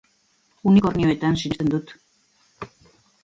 Unikornioetan sinisten dut.